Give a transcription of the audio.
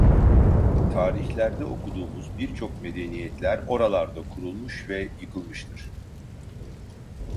Tarihlerde okuduğumuz birçok medeniyetler oralarda kurulmuş ve yıkılmıştır.